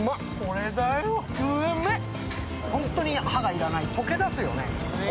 本当に歯が要らない、溶けだすよね。